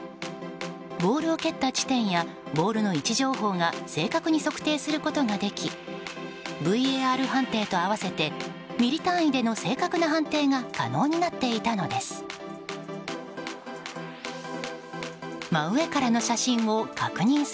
ボールを蹴った地点やボールの位置情報が正確に測定することができＶＡＲ判定と合わせてミリ単位での正確な判定が可能になっていたのです。